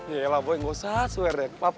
yalah boy nggak usah suaranya nggak apa apa